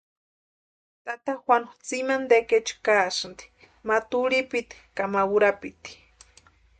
Tata Juanu tsimani tekechu kaasïnti ma turhipiti k ama urapiti.